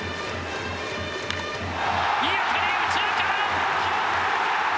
いい当たり、右中間！